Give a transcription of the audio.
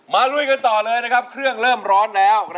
ลุยกันต่อเลยนะครับเครื่องเริ่มร้อนแล้ว